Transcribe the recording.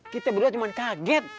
kita berdua cuman kaget